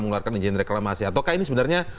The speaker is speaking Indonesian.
mengeluarkan injen reklamasi atau ini sebenarnya